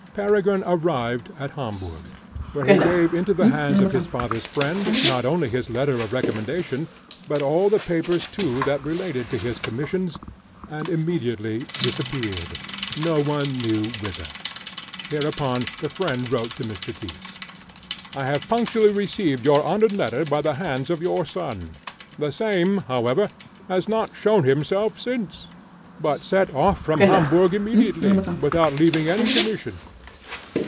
Peregrine arrived at Hamburgh, where he gave into the hands of his father's friend not only his letter of recommendation, but all the papers too that related to his commissions, and immediately disappeared, no one knew whither. Hereupon the friend wrote to Mr. Tyss: "I have punctually received your honoured letter of the by the hands of your son. The same, however, has not shown himself since, but set off from Hamburgh immediately, without leaving any commission.